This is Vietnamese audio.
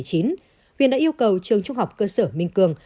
huyện đã yêu cầu trường trung học cơ sở minh cường